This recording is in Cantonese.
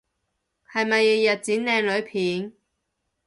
係咪日日剪靚女片？